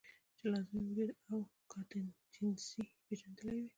چې لازمي وجود او کانټينجنسي ئې پېژندلي وے -